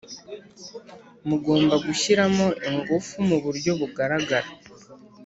Mugomba gushyiramo ingufu mu buryo bugaragara.